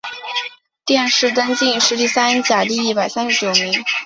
殿试登进士第三甲第一百三十九名。